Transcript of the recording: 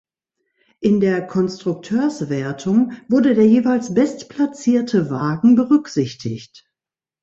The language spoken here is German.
In der Konstrukteurswertung wurde der jeweils bestplatzierte Wagen berücksichtigt.